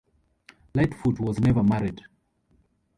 Lightfoot was never married.